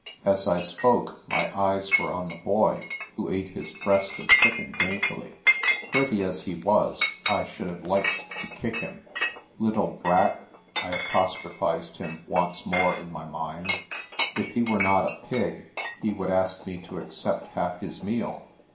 As I spoke, my eyes were on the boy, who ate his breast of chicken daintily. Pretty as he was, I should have liked to kick him. " Little brat,*' I apostrophised him once more, in my mind. " If he were not a pig, he would ask me to accept half his meal.